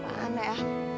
pak an ya